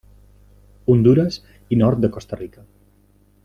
Hondures i nord de Costa Rica.